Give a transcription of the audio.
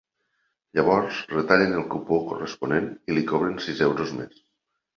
Llavors retallen el cupó corresponent i li cobren sis euros més.